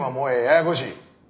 ややこしい。